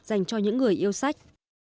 dành cho những người yêu sách